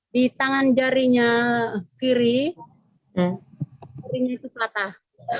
di tangan jarinya kiri kirinya itu patah